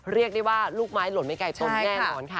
เรียกได้ว่าลูกไม้หล่นไม่ไกลต้นแน่นอนค่ะ